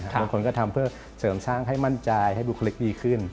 บางคนก็ทำเพื่อเสริมสร้างให้มั่นใจให้บุคลิกดีขึ้น